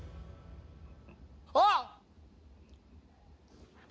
あっ！